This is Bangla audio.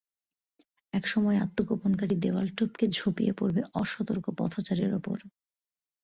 একসময় আত্মগোপনকারী দেয়াল টপকে ঝাঁপিয়ে পড়বে অসতর্ক পথচারীর ওপর।